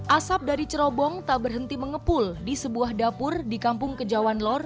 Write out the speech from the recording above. asap dari cerobong tak berhenti mengepul di sebuah dapur di kampung kejawan lor